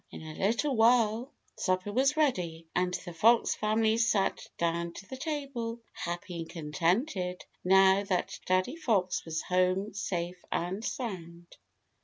In a little while supper was ready and the Fox family sat down to the table, happy and contented now that Daddy Fox was home safe and sound.